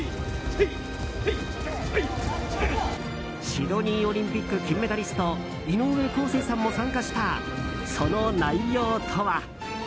シドニーオリンピック金メダリスト井上康生さんも参加したその内容とは。